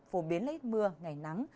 phổ biến lấy mưa ngày nắng